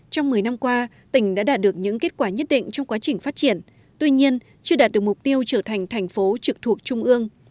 trong một mươi năm qua tỉnh đã đạt được những kết quả nhất định trong quá trình phát triển tuy nhiên chưa đạt được mục tiêu trở thành thành phố trực thuộc trung ương